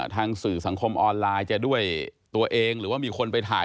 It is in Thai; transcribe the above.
สื่อสังคมออนไลน์จะด้วยตัวเองหรือว่ามีคนไปถ่าย